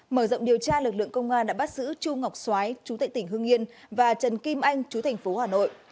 mở rộng điều tra lực lượng công an đã bắt giữ chu ngọc xoái chú tệ tỉnh hương yên và trần kim anh chú thành phố hà nội